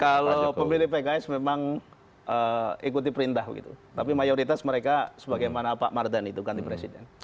kalau pemilih pks memang ikuti perintah begitu tapi mayoritas mereka sebagaimana pak mardhan itu ganti presiden